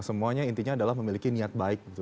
semuanya intinya adalah memiliki niat baik